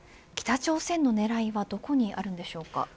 北朝鮮の狙いはどこにあるのでしょうか。